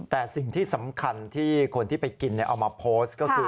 แต่สิ่งที่สำคัญที่คนที่ไปกินเอามาโพสต์ก็คือ